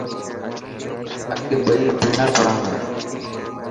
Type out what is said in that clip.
اسين ٻئي ڀيڙا پڙهان ٿا.